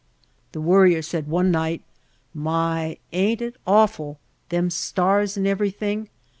The Worrier said one night: "My, ain't it awful! Them stars and every thing.